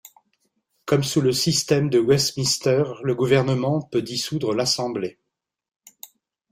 Comme sous le système de Westminster, le gouvernement peut dissoudre l'Assemblée.